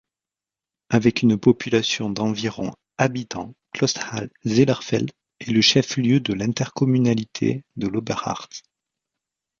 Avec une population d'environ habitants, Clausthal-Zellerfeld est le chef-lieu de l'intercommunalité de l’Oberharz.